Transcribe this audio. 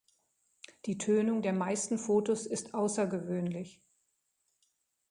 Die Tönung der meisten Fotos ist außergewöhnlich.